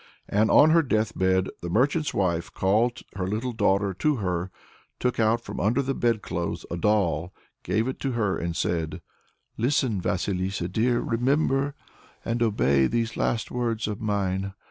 And on her deathbed the merchant's wife called her little daughter to her, took out from under the bed clothes a doll, gave it to her, and said, "Listen, Vasilissa, dear; remember and obey these last words of mine.